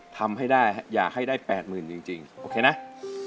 ทำให้ได้อยากให้ได้๘๐๐๐จริงโอเคนะ